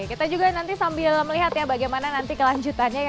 kita juga nanti sambil melihat ya bagaimana nanti kelanjutannya ya